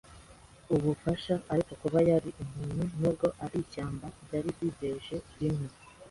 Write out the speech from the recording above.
ubufasha. Ariko kuba yari umuntu, nubwo ari ishyamba, byari byizeje bimwe